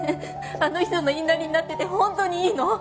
あの人の言いなりになっててホントにいいの？